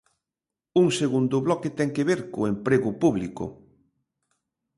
Un segundo bloque ten que ver co emprego público.